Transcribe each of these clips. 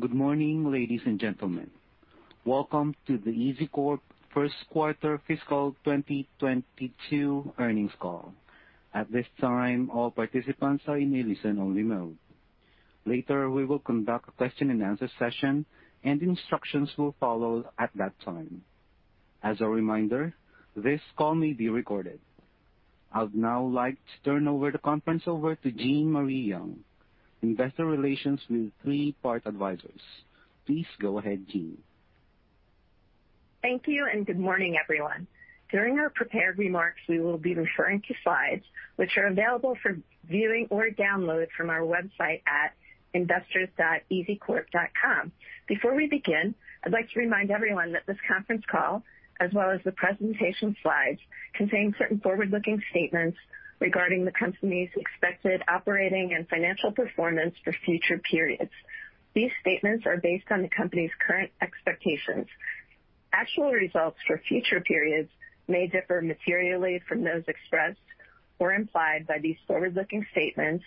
Good morning, ladies and gentlemen. Welcome to the EZCORP first quarter fiscal 2022 earnings call. At this time, all participants are in a listen-only mode. Later, we will conduct a question-and-answer session, and instructions will follow at that time. As a reminder, this call may be recorded. I'd now like to turn the conference over to Jean Marie, Investor Relations, Elevate IR. Please go ahead, Jean. Thank you, and good morning, everyone. During our prepared remarks, we will be referring to Slides which are available for viewing or download from our website at investors.ezcorp.com. Before we begin, I'd like to remind everyone that this conference call, as well as the presentation Slides, contain certain forward-looking statements regarding the company's expected operating and financial performance for future periods. These statements are based on the company's current expectations. Actual results for future periods may differ materially from those expressed or implied by these forward-looking statements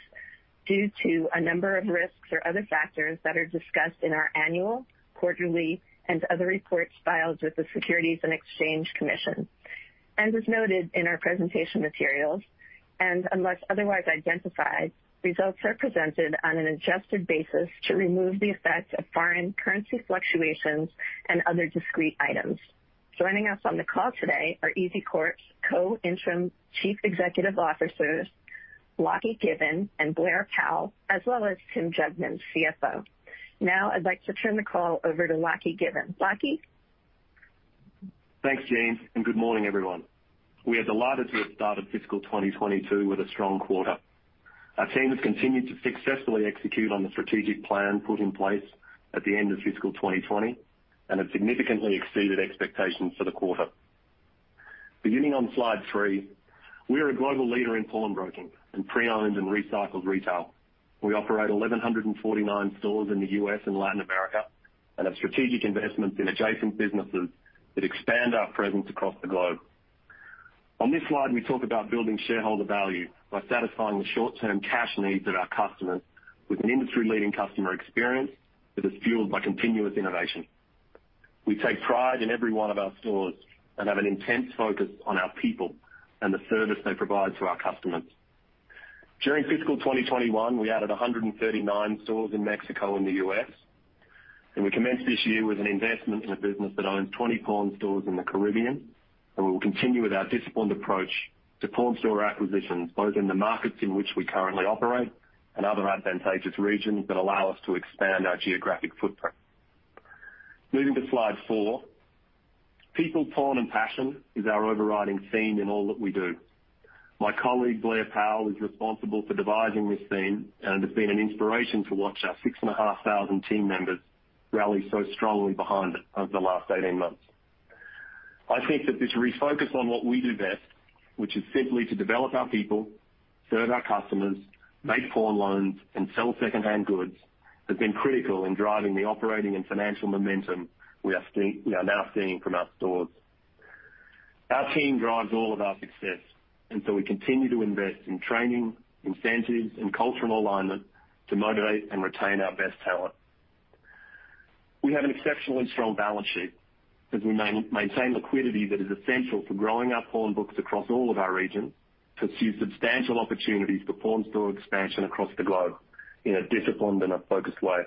due to a number of risks or other factors that are discussed in our annual, quarterly, and other reports filed with the Securities and Exchange Commission. As is noted in our presentation materials, and unless otherwise identified, results are presented on an adjusted basis to remove the effects of foreign currency fluctuations and other discrete items. Joining us on the call today are EZCORP's Co-Interim Chief Executive Officers, Lachlan Given and Blair Powell, as well as Tim Jugman, CFO. Now, I'd like to turn the call over to Lachlan Given. Lachlan? Thanks, Jean, and good morning, everyone. We are delighted to have started fiscal 2022 with a strong quarter. Our team has continued to successfully execute on the strategic plan put in place at the end of fiscal 2020 and have significantly exceeded expectations for the quarter. Beginning on Slide 3, we are a global leader in pawnbroking and pre-owned and recycled retail. We operate 1,149 stores in the U.S. and Latin America and have strategic investments in adjacent businesses that expand our presence across the globe. On this Slide, we talk about building shareholder value by satisfying the short-term cash needs of our customers with an industry-leading customer experience that is fueled by continuous innovation. We take pride in every one of our stores and have an intense focus on our people and the service they provide to our customers. During fiscal 2021, we added 139 stores in Mexico and the U.S., and we commenced this year with an investment in a business that owns 20 pawn stores in the Caribbean. We will continue with our disciplined approach to pawn store acquisitions, both in the markets in which we currently operate and other advantageous regions that allow us to expand our geographic footprint. Moving to Slide 4. People, Pawn, and Passion is our overriding theme in all that we do. My colleague, Blair Powell, is responsible for devising this theme, and it's been an inspiration to watch our 6,500 team members rally so strongly behind it over the last 18 months. I think that this refocus on what we do best, which is simply to develop our people, serve our customers, make pawn loans, and sell secondhand goods, has been critical in driving the operating and financial momentum we are now seeing from our stores. Our team drives all of our success, and so we continue to invest in training, incentives, and cultural alignment to motivate and retain our best talent. We have an exceptionally strong balance sheet as we maintain liquidity that is essential for growing our pawn books across all of our regions to pursue substantial opportunities for pawn store expansion across the globe in a disciplined and a focused way.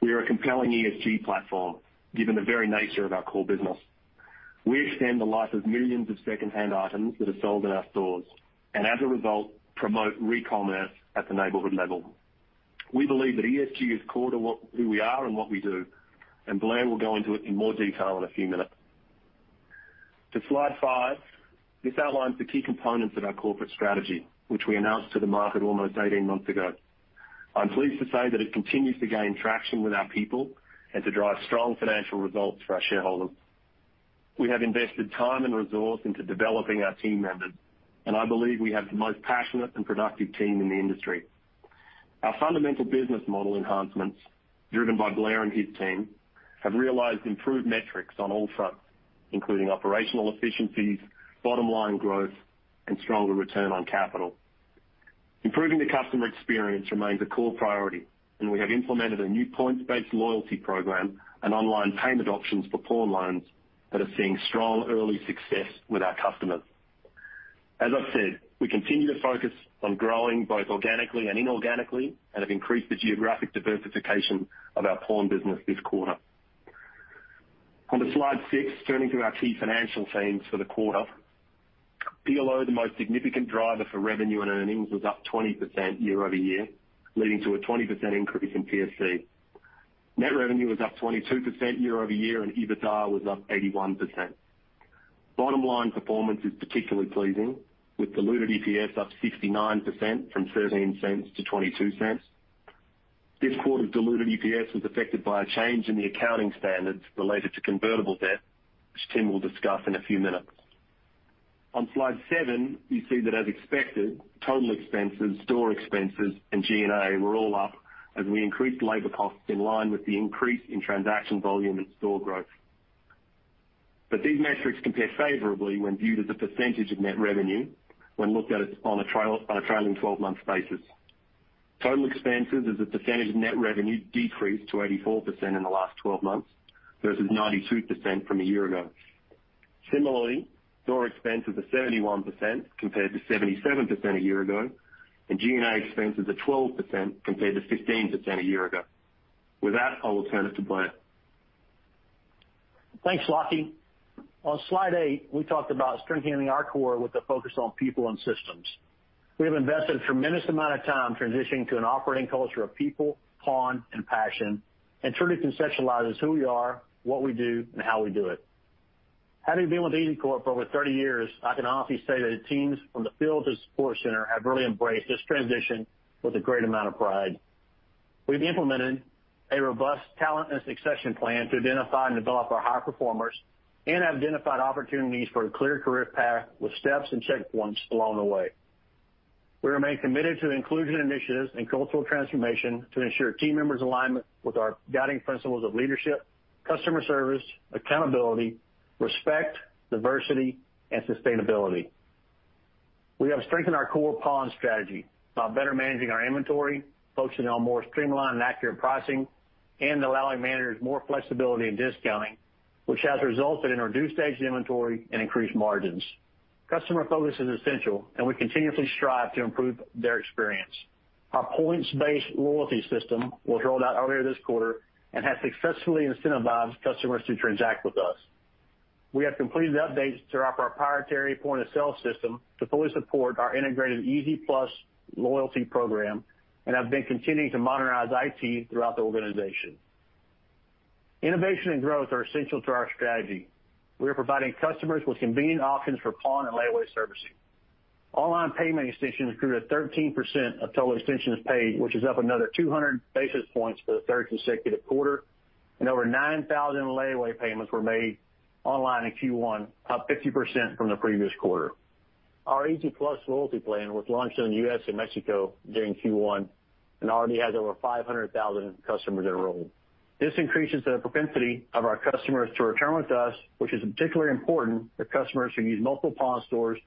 We are a compelling ESG platform, given the very nature of our core business. We extend the life of millions of secondhand items that are sold in our stores, and as a result, promote recommerce at the neighborhood level. We believe that ESG is core to who we are and what we do, and Blair will go into it in more detail in a few minutes. To Slide 5. This outlines the key components of our corporate strategy, which we announced to the market almost 18 months ago. I'm pleased to say that it continues to gain traction with our people and to drive strong financial results for our shareholders. We have invested time and resource into developing our team members, and I believe we have the most passionate and productive team in the industry. Our fundamental business model enhancements, driven by Blair and his team, have realized improved metrics on all fronts, including operational efficiencies, bottom-line growth, and stronger return on capital. Improving the customer experience remains a core priority, and we have implemented a new points-based loyalty program and online payment options for pawn loans that are seeing strong early success with our customers. As I've said, we continue to focus on growing both organically and inorganically and have increased the geographic diversification of our pawn business this quarter. Onto Slide 6, turning to our key financial themes for the quarter. PLO, the most significant driver for revenue and earnings, was up 20% year-over-year, leading to a 20% increase in PSC. Net revenue was up 22% year-over-year, and EBITDA was up 81%. Bottom line performance is particularly pleasing, with diluted EPS up 69% from $0.13 to $0.22. This quarter's diluted EPS was affected by a change in the accounting standards related to convertible debt, which Tim will discuss in a few minutes. On Slide 7, you see that as expected, total expenses, store expenses, and G&A were all up as we increased labor costs in line with the increase in transaction volume and store growth. These metrics compare favorably when viewed as a percentage of net revenue on a trailing 12-month basis. Total expenses as a percentage of net revenue decreased to 84% in the last 12 months versus 92% from a year ago. Similarly, store expenses are 71% compared to 77% a year ago, and G&A expenses are 12% compared to 15% a year ago. With that, I will turn it to Blair. Thanks, Lachlan. On Slide eight, we talked about strengthening our core with a focus on people and systems. We have invested a tremendous amount of time transitioning to an operating culture of people, pawn, and passion, and truly conceptualize who we are, what we do, and how we do it. Having been with EZCORP for over 30 years, I can honestly say that the teams from the field to the support center have really embraced this transition with a great amount of pride. We've implemented a robust talent and succession plan to identify and develop our high performers and have identified opportunities for a clear career path with steps and checkpoints along the way. We remain committed to inclusion initiatives and cultural transformation to ensure team members' alignment with our guiding principles of leadership, customer service, accountability, respect, diversity, and sustainability. We have strengthened our core pawn strategy by better managing our inventory, focusing on more streamlined and accurate pricing, and allowing managers more flexibility in discounting, which has resulted in reduced aged inventory and increased margins. Customer focus is essential, and we continuously strive to improve their experience. Our points-based loyalty system was rolled out earlier this quarter and has successfully incentivized customers to transact with us. We have completed updates throughout our proprietary point-of-sale system to fully support our integrated EZ+ loyalty program and have been continuing to modernize IT throughout the organization. Innovation and growth are essential to our strategy. We are providing customers with convenient options for pawn and layaway servicing. Online payment extensions grew to 13% of total extensions paid, which is up another 200 basis points for the third consecutive quarter. Over 9,000 layaway payments were made online in Q1, up 50% from the previous quarter. Our EZ+ loyalty plan was launched in the U.S. and Mexico during Q1 and already has over 500,000 customers enrolled. This increases the propensity of our customers to return with us, which is particularly important for customers who use multiple pawn stores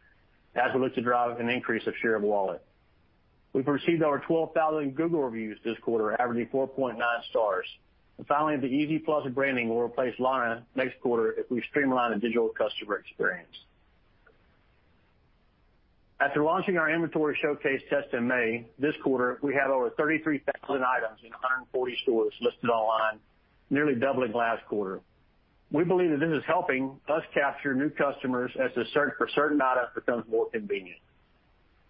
as we look to drive an increase of share of wallet. We've received over 12,000 Google reviews this quarter, averaging 4.9 stars. Finally, the EZ+ branding will replace Lana next quarter as we streamline the digital customer experience. After launching our inventory showcase test in May, this quarter, we have over 33,000 items in 140 stores listed online, nearly doubling last quarter. We believe that this is helping us capture new customers as the search for certain items becomes more convenient.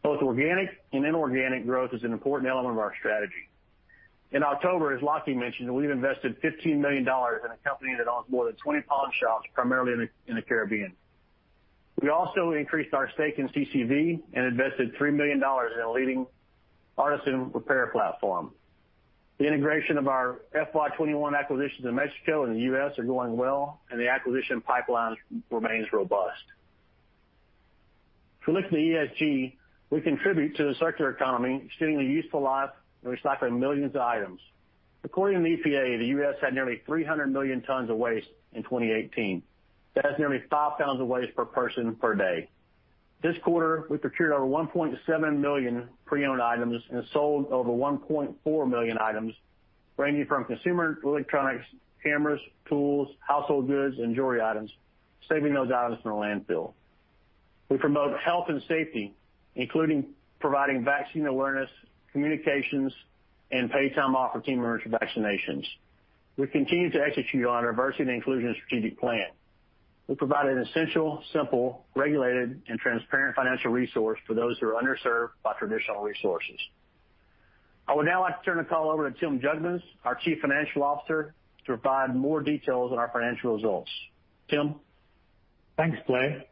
Both organic and inorganic growth is an important element of our strategy. In October, as Lachlan mentioned, we've invested $15 million in a company that owns more than 20 pawn shops, primarily in the Caribbean. We also increased our stake in CCV and invested $3 million in a leading artisan repair platform. The integration of our FY 2021 acquisitions in Mexico and the U.S. are going well, and the acquisition pipeline remains robust. If you look at the ESG, we contribute to the circular economy, extending the useful life, and recycling millions of items. According to the EPA, the U.S. had nearly 300 million tons of waste in 2018. That's nearly five pounds of waste per person per day. This quarter, we procured over 1.7 million pre-owned items and sold over 1.4 million items, ranging from consumer electronics, cameras, tools, household goods, and jewelry items, saving those items from landfill. We promote health and safety, including providing vaccine awareness, communications, and paid time off for team members for vaccinations. We continue to execute on our diversity and inclusion strategic plan. We provide an essential, simple, regulated, and transparent financial resource for those who are underserved by traditional resources. I would now like to turn the call over to Tim Jugmans, our Chief Financial Officer, to provide more details on our financial results. Tim? Thanks, Blair.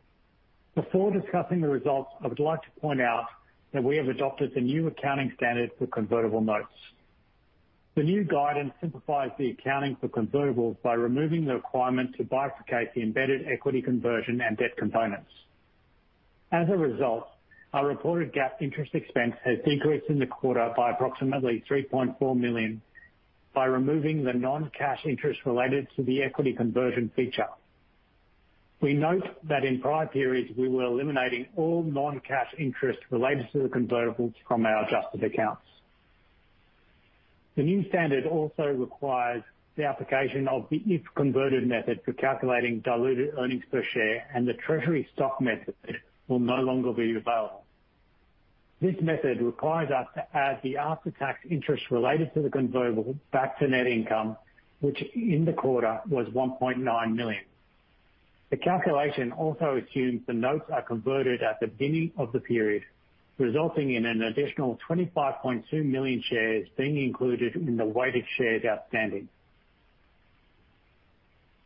Before discussing the results, I would like to point out that we have adopted the new accounting standard for convertible notes. The new guidance simplifies the accounting for convertibles by removing the requirement to bifurcate the embedded equity conversion and debt components. As a result, our reported GAAP interest expense has decreased in the quarter by approximately $3.4 million by removing the non-cash interest related to the equity conversion feature. We note that in prior periods, we were eliminating all non-cash interest related to the convertibles from our adjusted accounts. The new standard also requires the application of the if-converted method for calculating diluted earnings per share, and the treasury stock method will no longer be available. This method requires us to add the after-tax interest related to the convertible back to net income, which in the quarter was $1.9 million. The calculation also assumes the notes are converted at the beginning of the period, resulting in an additional 25.2 million shares being included in the weighted shares outstanding.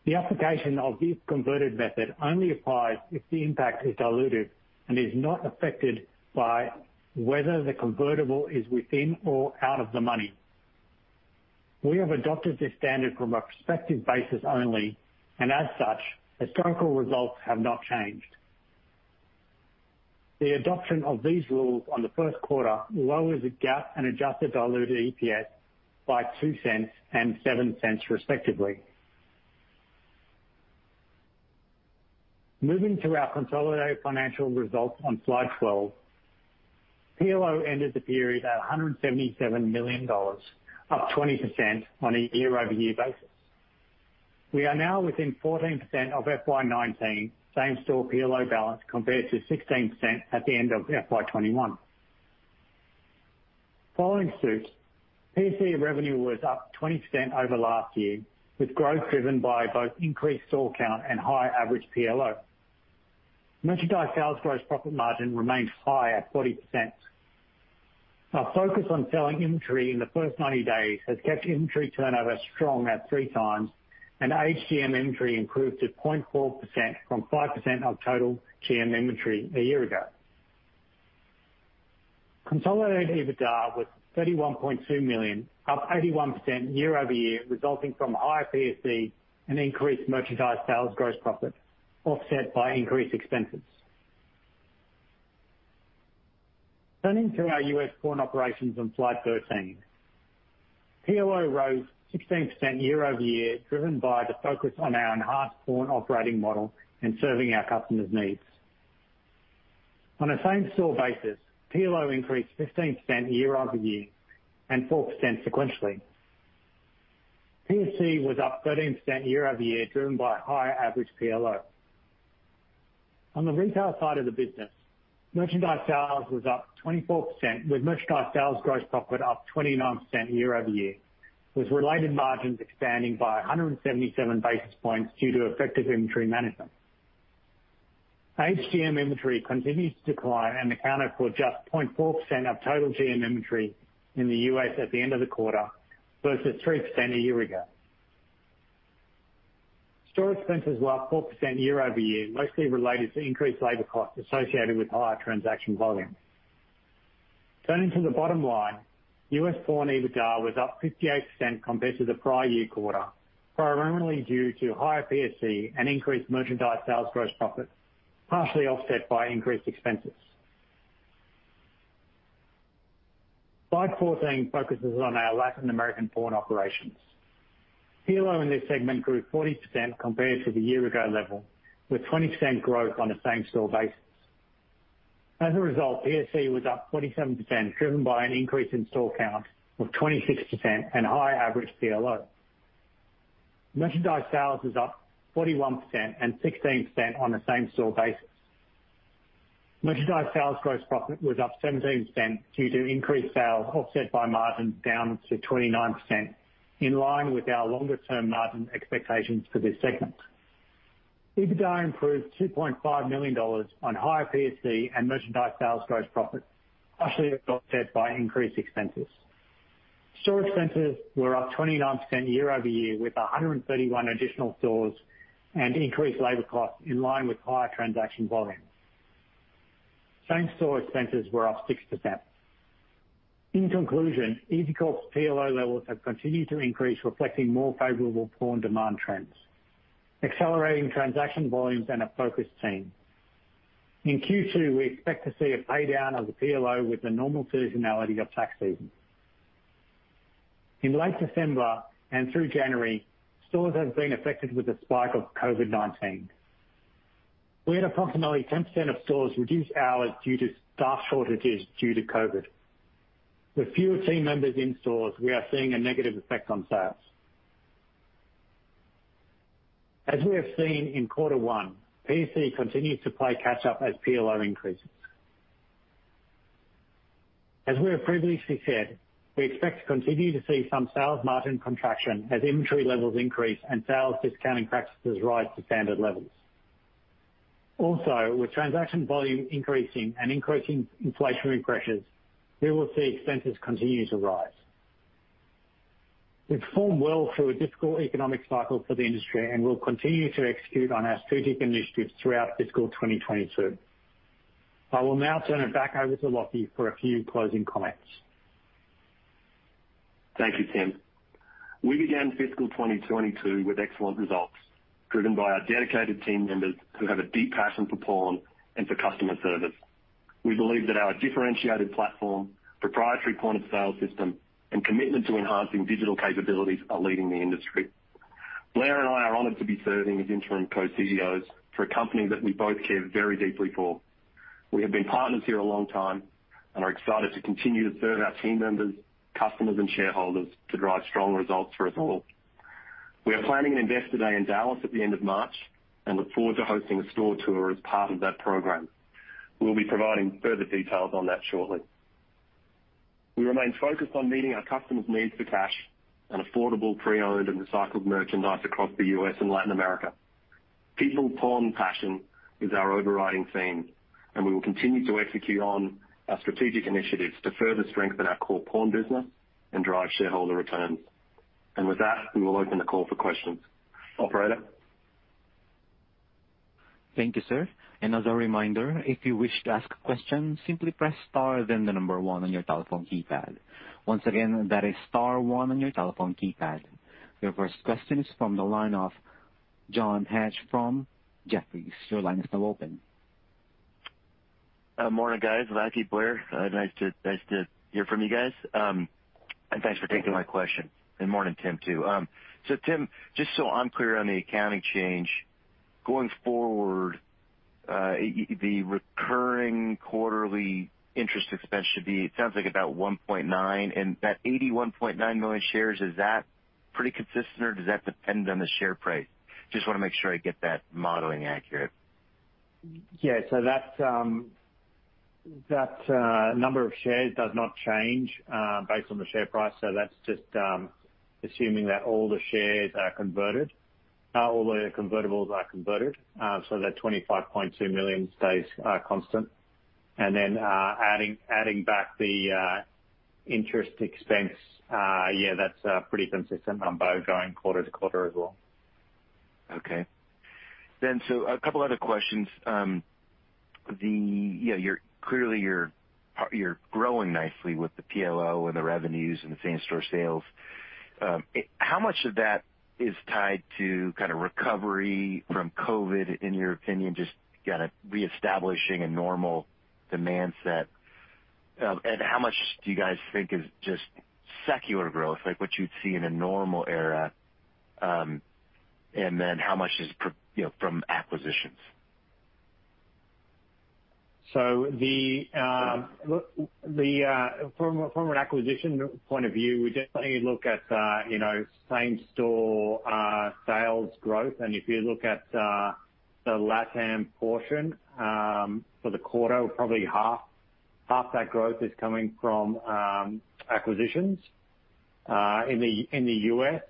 The application of this if-converted method only applies if the impact is diluted and is not affected by whether the convertible is within or out of the money. We have adopted this standard from a prospective basis only, and as such, historical results have not changed. The adoption of these rules on the first quarter lowers the GAAP and adjusted diluted EPS by $0.02 and $0.07 respectively. Moving to our consolidated financial results on Slide 12. PLO ended the period at $177 million, up 20% on a year-over-year basis. We are now within 14% of FY 2019 same-store PLO balance, compared to 16% at the end of FY 2021. Following suit, PSE revenue was up 20% over last year, with growth driven by both increased store count and high average PLO. Merchandise sales gross profit margin remains high at 40%. Our focus on selling inventory in the first 90 days has kept inventory turnover strong at 3x, and HDM inventory improved to 0.4% from 5% of total GM inventory a year ago. Consolidated EBITDA was $31.2 million, up 81% year-over-year, resulting from higher PSE and increased merchandise sales gross profit, offset by increased expenses. Turning to our U.S. pawn operations on Slide 13. PLO rose 16% year-over-year, driven by the focus on our enhanced pawn operating model and serving our customers' needs. On a same-store basis, PLO increased 15% year-over-year and 4% sequentially. PSE was up 13% year-over-year, driven by higher average PLO. On the retail side of the business, merchandise sales was up 24% with merchandise sales gross profit up 29% year-over-year, with related margins expanding by 177 basis points due to effective inventory management. HDM inventory continues to decline and accounted for just 0.4% of total GM inventory in the U.S. at the end of the quarter, versus 3% a year ago. Store expenses were up 4% year-over-year, mostly related to increased labor costs associated with higher transaction volumes. Turning to the bottom line, U.S. pawn EBITDA was up 58% compared to the prior year quarter, primarily due to higher PSC and increased merchandise sales gross profit, partially offset by increased expenses. Slide 14 focuses on our Latin American pawn operations. PLO in this segment grew 40% compared to the year ago level, with 20% growth on a same-store basis. As a result, PSC was up 47%, driven by an increase in store count of 26% and higher average PLO. Merchandise sales is up 41% and 16% on a same-store basis. Merchandise sales gross profit was up 17% due to increased sales offset by margins down to 29%, in line with our longer term margin expectations for this segment. EBITDA improved $2.5 million on higher PSC and merchandise sales gross profit, partially offset by increased expenses. Store expenses were up 29% year-over-year, with 131 additional stores and increased labor costs in line with higher transaction volumes. Same-store expenses were up 6%. In conclusion, EZCORP's PLO levels have continued to increase, reflecting more favorable pawn demand trends, accelerating transaction volumes and a focused team. In Q2, we expect to see a pay down of the PLO with the normal seasonality of tax season. In late December and through January, stores have been affected with a spike of COVID-19. We had approximately 10% of stores reduce hours due to staff shortages due to COVID. With fewer team members in stores, we are seeing a negative effect on sales. As we have seen in quarter one, PSC continues to play catch up as PLO increases. As we have previously said, we expect to continue to see some sales margin contraction as inventory levels increase and sales discounting practices rise to standard levels. Also, with transaction volume increasing and increasing inflationary pressures, we will see expenses continue to rise. We've performed well through a difficult economic cycle for the industry and will continue to execute on our strategic initiatives throughout fiscal 2022. I will now turn it back over to Lachlan for a few closing comments. Thank you, Tim. We began fiscal 2022 with excellent results driven by our dedicated team members who have a deep passion for pawn and for customer service. We believe that our differentiated platform, proprietary point-of-sale system, and commitment to enhancing digital capabilities are leading the industry. Blair and I are honored to be serving as interim co-CEOs for a company that we both care very deeply for. We have been partners here a long time and are excited to continue to serve our team members, customers, and shareholders to drive strong results for us all. We are planning an investor day in Dallas at the end of March and look forward to hosting a store tour as part of that program. We'll be providing further details on that shortly. We remain focused on meeting our customers' needs for cash and affordable pre-owned and recycled merchandise across the U.S. and Latin America. People, Pawn, Passion is our overriding theme, and we will continue to execute on our strategic initiatives to further strengthen our core pawn business and drive shareholder returns. With that, we will open the call for questions. Operator? Thank you, sir. And as a reminder, if you wish to ask a question, simply press star then the number one on your telephone keypad. Once again, that is star one on your telephone keypad. Your first question is from the line of John Hecht from Jefferies, your line is now open. Morning, guys. Lachlan, Blair. Nice to hear from you guys. Thanks for taking my question. Morning, Tim, too. Tim, just so I'm clear on the accounting change. Going forward, the recurring quarterly interest expense should be about $1.9. That 81.9 million shares, is that pretty consistent, or does that depend on the share price? Just wanna make sure I get that modeling accurate. Yeah. That number of shares does not change based on the share price. That's just assuming that all the shares are converted. All the convertibles are converted, so that 25.2 million stays constant. Then, adding back the interest expense. Yeah, that's a pretty consistent number going quarter to quarter as well. A couple other questions. Yeah, you're clearly growing nicely with the PLO and the revenues and the same-store sales. How much of that is tied to kinda recovery from COVID in your opinion? Just kinda reestablishing a normal demand set. How much do you guys think is just secular growth, like what you'd see in a normal era? How much is, you know, from acquisitions? From an acquisition point of view, we definitely look at, you know, same-store sales growth. If you look at the LATAM portion for the quarter, probably half that growth is coming from acquisitions. In the U.S.,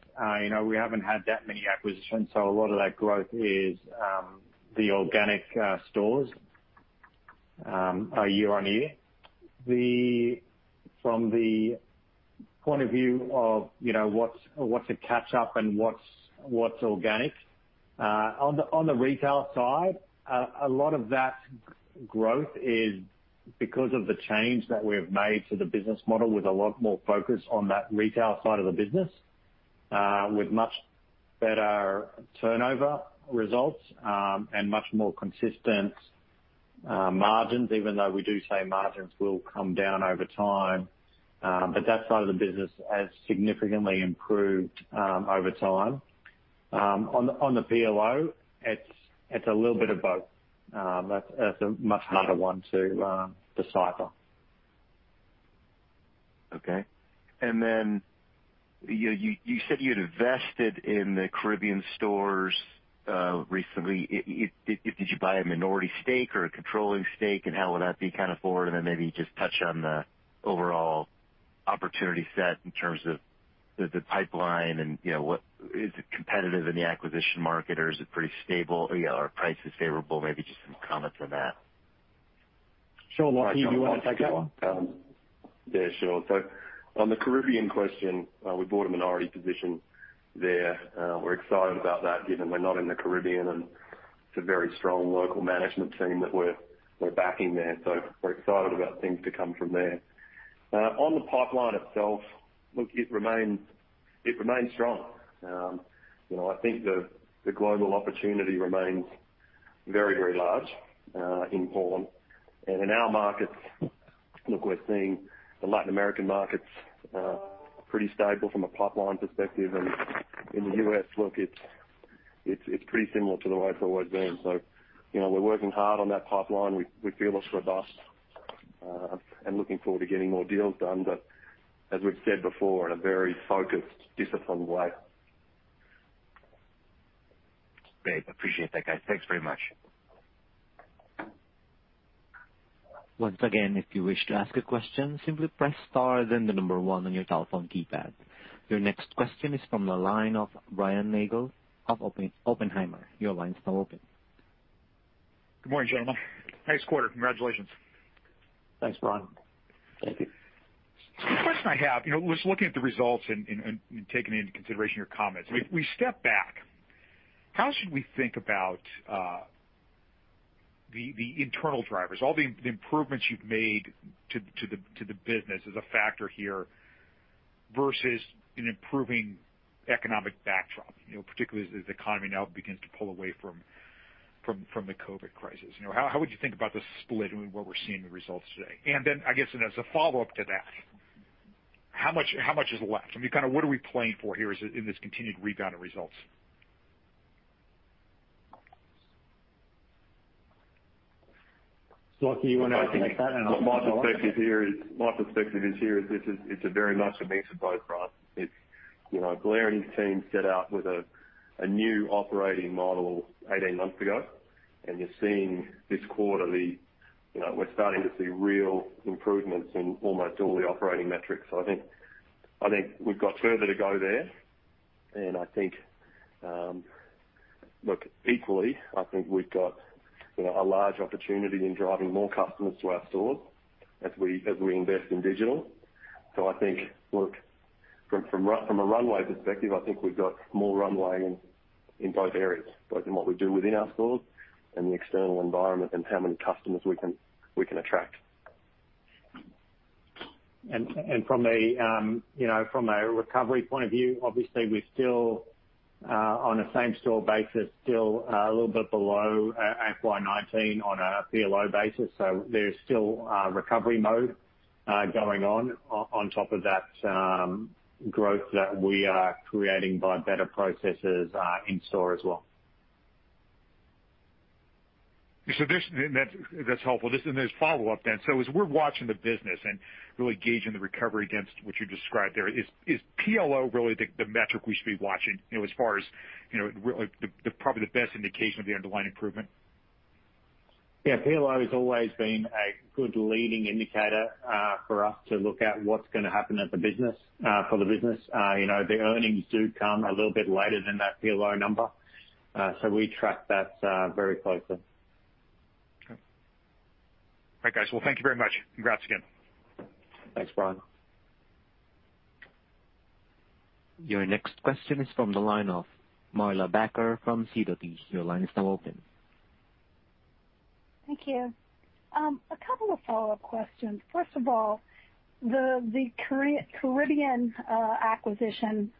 you know, we haven't had that many acquisitions, so a lot of that growth is the organic stores year-on-year. From the point of view of, you know, what's a catch up and what's organic on the retail side, a lot of that growth is because of the change that we've made to the business model with a lot more focus on that retail side of the business with much better turnover results and much more consistent margins, even though we do say margins will come down over time. That side of the business has significantly improved over time. On the PLO, it's a little bit of both. It's a much harder one to decipher. Okay. You said you'd invested in the Caribbean stores recently. Did you buy a minority stake or a controlling stake, and how would that be kinda forward? Maybe just touch on the overall opportunity set in terms of the pipeline and, you know, what is it competitive in the acquisition market or is it pretty stable? Yeah, are prices favorable? Maybe just some comment on that. Sure. Lachlan, do you wanna take that one? Yeah, sure. On the Caribbean question, we bought a minority position there. We're excited about that, given we're not in the Caribbean, and it's a very strong local management team that we're backing there. We're excited about things to come from there. On the pipeline itself, look, it remains strong. You know, I think the global opportunity remains very, very large in pawn. In our markets, look, we're seeing the Latin American markets pretty stable from a pipeline perspective. In the U.S., look, it's pretty similar to the way it's always been. You know, we're working hard on that pipeline. We feel it's robust and looking forward to getting more deals done, but as we've said before, in a very focused, disciplined way. Great. Appreciate that, guys. Thanks very much. Your next question is from the line of Brian Nagel of Oppenheimer. Your line's now open. Good morning, gentlemen. Nice quarter. Congratulations. Thanks, Brian. Thank you. The question I have, you know, was looking at the results and taking into consideration your comments. We step back. How should we think about the internal drivers, all the improvements you've made to the business as a factor here versus an improving economic backdrop? You know, particularly as the economy now begins to pull away from the COVID crisis. You know, how would you think about the split and what we're seeing in the results today? Then, I guess as a follow-up to that, how much is left? I mean, kinda what are we playing for here is in this continued rebound of results? Lachlan, you wanna take that and I'll follow up? My perspective is this is a very much a mix of both, Brian. It's you know, Blair and his team set out with a new operating model 18 months ago, and you're seeing this quarter, you know, we're starting to see real improvements in almost all the operating metrics. I think we've got further to go there. Look, equally, I think we've got you know, a large opportunity in driving more customers to our stores as we invest in digital. I think, look, from a runway perspective, I think we've got more runway in both areas, both in what we do within our stores and the external environment and how many customers we can attract. From a, you know, from a recovery point of view, obviously, we're still on a same-store basis, still a little bit below FY 2019 on a PLO basis. There's still a recovery mode going on top of that growth that we are creating by better processes in store as well. That's helpful. Just then, there's follow-up then. As we're watching the business and really gauging the recovery against what you described there, is PLO really the metric we should be watching, you know, as far as, you know, like, probably the best indication of the underlying improvement? Yeah. PLO has always been a good leading indicator for us to look at what's gonna happen at the business for the business. You know, the earnings do come a little bit later than that PLO number. We track that very closely. Okay. All right, guys. Well, thank you very much. Congrats again. Thanks, Brian. Your next question is from the line of Marla Backer from Sidoti. Your line is now open. Thank you. A couple of follow-up questions. First of all, the Caribbean acquisition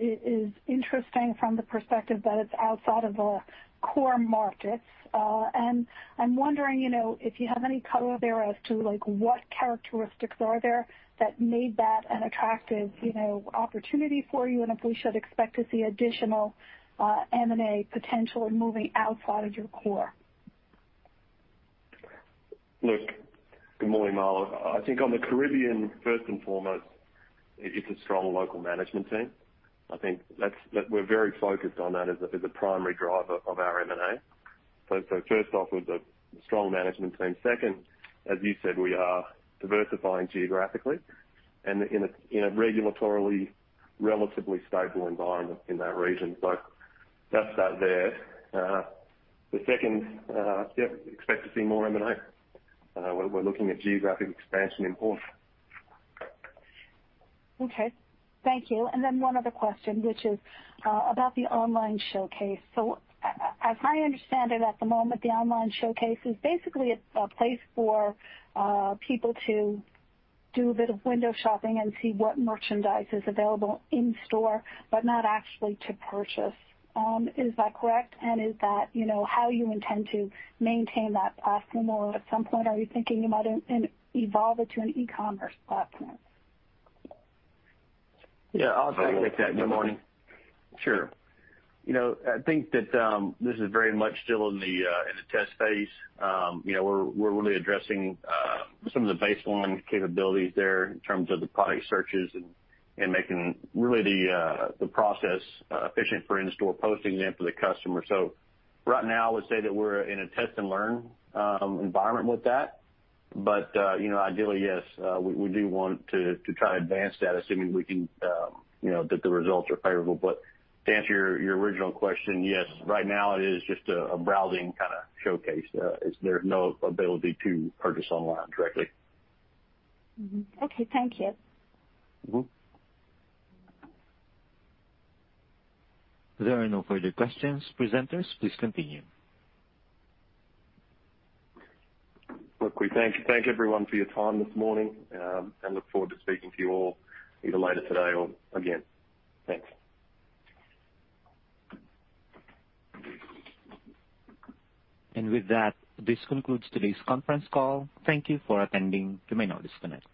is interesting from the perspective that it's outside of the core markets. I'm wondering, you know, if you have any color there as to, like, what characteristics are there that made that an attractive, you know, opportunity for you, and if we should expect to see additional M&A potential in moving outside of your core. Look. Good morning, Marla. I think on the Caribbean, first and foremost, it's a strong local management team. We're very focused on that as a primary driver of our M&A. First off, with a strong management team. Second, as you said, we are diversifying geographically and in a regulatorily relatively stable environment in that region. That's that there. The second, yep, expect to see more M&A. We're looking at geographic expansion in pawn. Okay. Thank you. One other question, which is about the online showcase. As I understand it at the moment, the online showcase is basically a place for people to do a bit of window shopping and see what merchandise is available in store, but not actually to purchase on. Is that correct? Is that, you know, how you intend to maintain that platform? At some point, are you thinking about evolve it to an e-commerce platform? Yeah. I'll take that. Good morning. Sure. You know, I think that this is very much still in the test phase. You know, we're really addressing some of the baseline capabilities there in terms of the product searches and making really the process efficient for in-store posting, then for the customer. Right now, I would say that we're in a test and learn environment with that. Ideally, yes, we do want to try to advance that, assuming we can, you know, that the results are favorable. To answer your original question, yes. Right now it is just a browsing kinda showcase. There's no ability to purchase online directly. Mm-hmm. Okay. Thank you. Mm-hmm. There are no further questions. Presenters, please continue. Look, we thank everyone for your time this morning, and look forward to speaking to you all either later today or again. Thanks. With that, this concludes today's conference call. Thank you for attending. You may now disconnect.